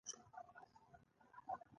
یا به یې کتابونه لیکل په پښتو ژبه.